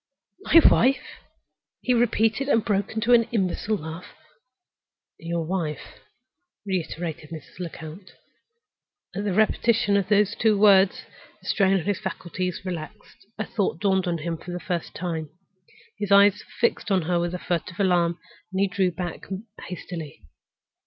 "My wife?" he repeated, and burst into an imbecile laugh. "Your wife," reiterated Mrs. Lecount. At the repetition of those two words the strain on his faculties relaxed. A thought dawned on him for the first time. His eyes fixed on her with a furtive alarm, and he drew back hastily.